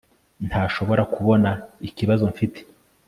ntashobora kubona ikibazo mfite